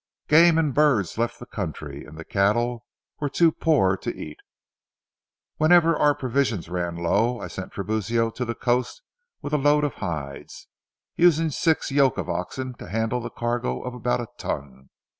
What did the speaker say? Game and birds left the country, and the cattle were too poor to eat. Whenever our provisions ran low, I sent Tiburcio to the coast with a load of hides, using six yoke of oxen to handle a cargo of about a ton.